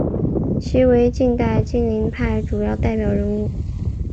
其为近代金陵派主要代表人物。